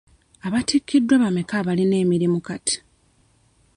Abattikiddwa bameka abalina emirimu kati?